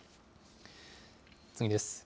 次です。